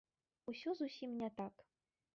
Усё зусім не так.